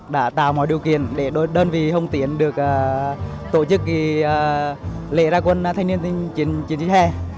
đã tạo mọi điều kiện để đơn vị hồng tiến được tổ chức lễ ra quân thanh niên chiến sĩ hè